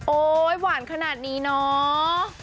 โอ๊ยหวานขนาดนี้เนอะ